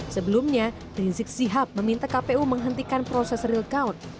sebelumnya rizik sihab meminta kpu menghentikan proses real count